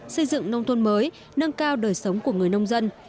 xây dựng nông thôn mới nâng cao đời sống của người nông dân